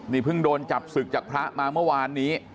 นี่เพิ่งโดนจับศึกจากพระมาเมื่อวานนี้